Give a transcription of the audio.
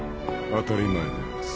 当たり前です。